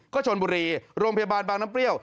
ก็ชนบุรีโรงพยาบาลบางน้ำเปรี้ยว